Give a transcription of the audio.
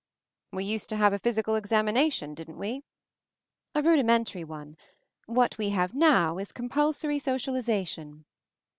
"We used to have physicial examination, didn't we?" "A rudimentary one. What we have now is Compulsory Socialization."